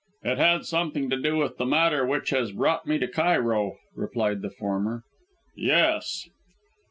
"It had something to do with the matter which has brought me to Cairo," replied the former "yes."